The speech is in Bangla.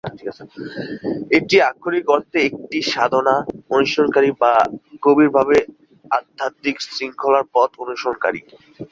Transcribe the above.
এটি আক্ষরিক অর্থে একটি "সাধনা" অনুশীলনকারী বা গভীরভাবে আধ্যাত্মিক শৃঙ্খলার পথ অনুসরণকারী।